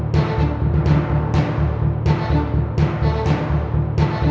ได้ครับ